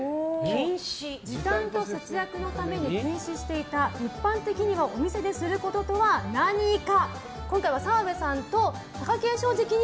時短と節約のために禁止していた一般的にはお店ですることとは何か。